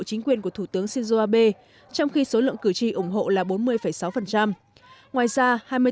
chính quyền của thủ tướng shinzo abe trong khi số lượng cử tri ủng hộ là bốn mươi sáu ngoài ra hai mươi bốn một